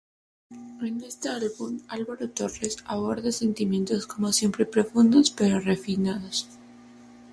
En este álbum Álvaro Torres aborda sentimientos como siempre profundos pero refinados.